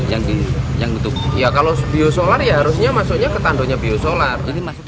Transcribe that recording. ya kalau biosolar ya harusnya masuknya ke tandonnya biosolar